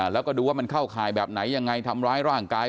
แล้วก็ดูว่ามันเข้าข่ายแบบไหนยังไงทำร้ายร่างกาย